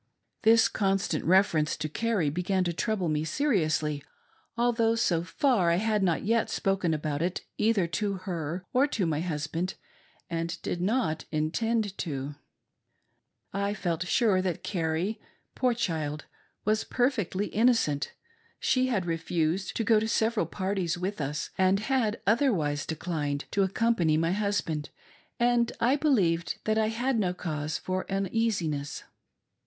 This constant reference to Carrie began to trouble me se riously, although, so far, I had not yet spoken about it either to her or to my husband, and did not intend to. I felt sure that Carrie, poor child, was perfectly innocent ; she had refused to go to several parties with us, and had otherwise declined to accompany my husband, and I believed that I had no cause for uneasiness.